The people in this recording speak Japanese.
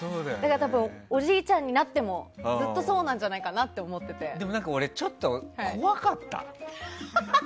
多分、おじいちゃんになってもずっとそうなんじゃないかなとでも、俺ちょっと怖かった。